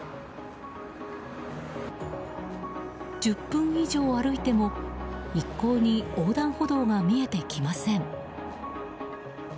１０分以上歩いても、一向に横断歩道が見えてきません。